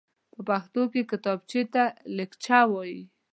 په پښتو کې کتابچېته ليکچه وايي.